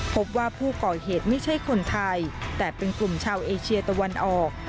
พบว่าผู้ก่อเหตุไม่ใช่คนไทยแต่เป็นกลุ่มชาวเอเชียตะวันออก